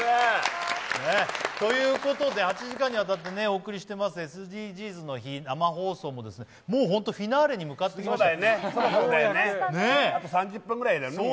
ということで、８時間に渡ってお送りしています「ＳＤＧｓの日」、生放送ももうフィナーレに向かってきました。